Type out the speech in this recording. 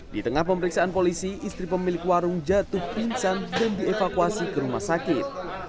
di tengah pemeriksaan polisi istri pemilik warung jatuh pingsan dan dievakuasi ke rumah sakit